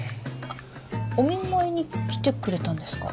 お見舞いに来てくれたんですか？